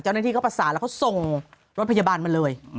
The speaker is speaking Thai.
เจ้าหน้าที่เขาประสานแล้วเขาส่งรถพยาบาลมาเลย